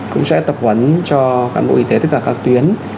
cũng sẽ tập huấn cho cán bộ y tế tất cả các tuyến